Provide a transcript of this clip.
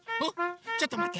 ちょっとまって！